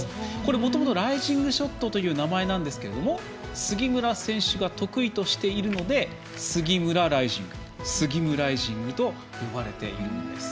もともとライジングショットという名前なんですけれども杉村選手が得意としているので杉村ライジングスギムライジングと呼ばれているんです。